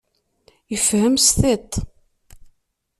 Ifhem s tiṭ.